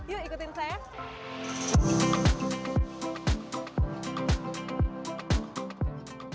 yuk ikutin saya